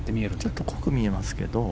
ちょっと濃く見えますけど